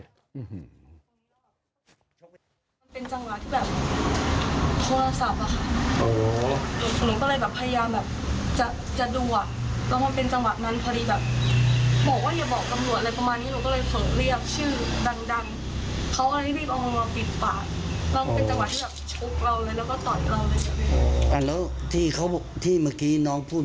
เป็นจังหวะที่แบบโทรศัพท์อะหนูก็เลยแบบพยายามแบบจะดัวแล้วมันเป็นจังหวะนั้นพอดีแบบ